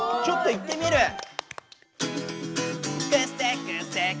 ちょっといってみる。